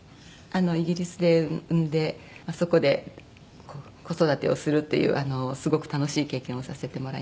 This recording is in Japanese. イギリスで産んでそこで子育てをするっていうすごく楽しい経験をさせてもらいました。